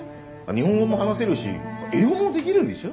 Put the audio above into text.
日本語も話せるし英語もできるんでしょ？